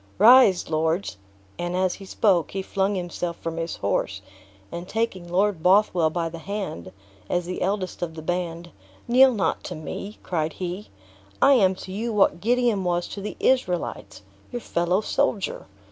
Rise, lords!" and as he spoke, he flung himself from his horse, and taking Lord Bothwell by the hand, as the eldest of the band, "kneel not to me," cried he; "I am to you what Gideon was to the Israelites your fellow soldier.